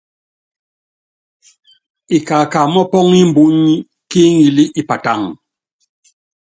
Ikaka mɔ́pɔ́ŋ imbúny kí iŋili i Pataŋ.